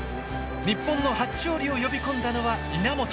日本の初勝利を呼び込んだのは稲本。